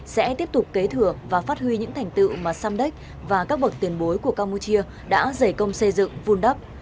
sẽ tiếp tục kế thừa và phát huy những thành tựu mà samdek và các bậc tiền bối của campuchia đã dày công xây dựng vun đắp